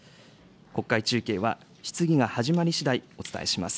国会中継は質疑が始まりしだいお伝えします。